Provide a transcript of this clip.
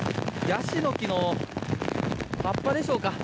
ヤシの木の葉っぱでしょうか。